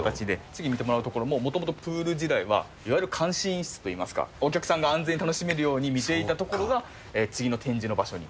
次見ていただく所も、もともとプール時代は、いわゆる監視員室といいますか、お客さんが安全に楽しめるように見ていた所が、次の展示の場所に。